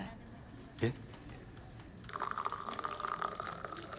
えっ？